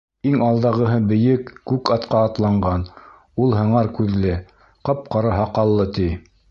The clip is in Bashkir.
Иң алдағыһы бейек күк атҡа атланған, ул һыңар күҙле, ҡап-ҡара һаҡаллы, ти.